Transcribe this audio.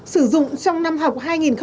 sử dụng trong năm học